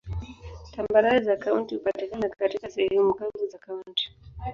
Tambarare za kaunti hupatikana katika sehemu kavu za kaunti.